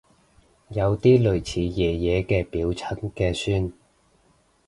有啲類似爺爺嘅表親嘅孫